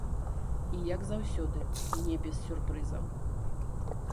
І як заўсёды, не без сюрпрызаў.